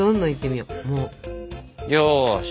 よし！